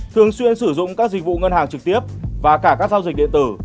thường xuyên sử dụng các dịch vụ ngân hàng trực tiếp và cả các giao dịch điện tử